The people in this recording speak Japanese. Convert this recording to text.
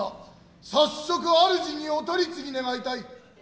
早速主にお取り次ぎ願いたい。